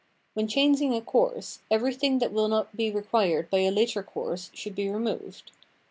When changing a course, everything that will not be required by a later course should be removed.